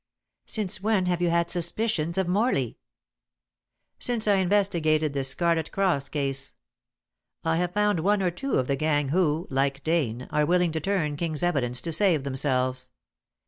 "Since when have you had suspicions of Morley?" "Since I investigated this Scarlet Cross case. I have found one or two of the gang who, like Dane, are willing to turn King's evidence to save themselves.